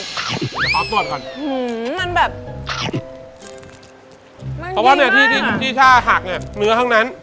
เดี๋ยวเขาตรวจก่อนมันแบบมันดีมากพอว่าที่ท่าหักเนี่ยเนื้อทั้งนั้น